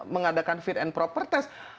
mengadakan fit and proper test